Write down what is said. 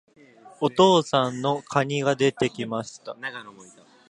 お父さんの蟹が出て来ました。